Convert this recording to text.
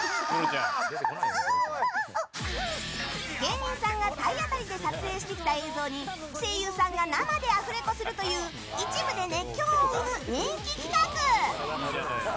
芸人さんが体当たりで撮影してきた映像に声優さんが生でアフレコするという一部で熱狂を生む人気企画！